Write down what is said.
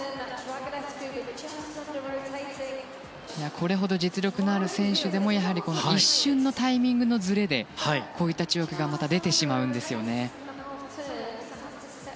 これほど実力のある選手でも一瞬のタイミングのずれでやはり、こういった跳躍がまた出てしまうんですよね。